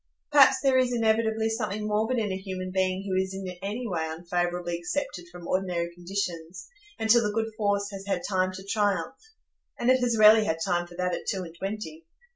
Perhaps there is inevitably something morbid in a human being who is in any way unfavourably excepted from ordinary conditions, until the good force has had time to triumph; and it has rarely had time for that at two and twenty.